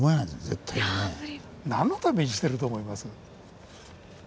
絶対にね。何のためにしてると思います？